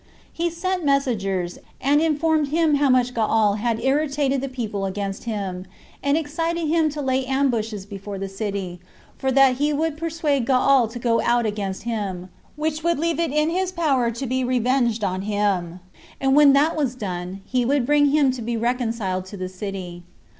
He sent messengers, and informed him how much Gaal had irritated the people against him, and excited him to lay ambushes before the city, for that he would persuade Gaal to go out against him, which would leave it in his power to be revenged on him; and when that was once done, he would bring him to be reconciled to the city.